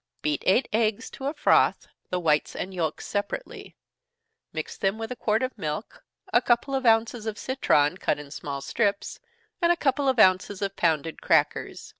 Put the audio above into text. Beat eight eggs to a froth, the whites and yelks separately mix them with a quart of milk, a couple of ounces citron, cut in small strips, and a couple of ounces of pounded crackers.